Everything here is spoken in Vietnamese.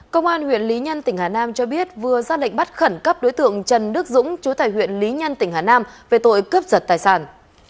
công an huyện lý nhân tỉnh hà nam cho biết vừa ra lệnh bắt khẩn cấp đối tượng trần đức dũng chú tài huyện lý nhân tỉnh hà nam về tội cướp giật tài sản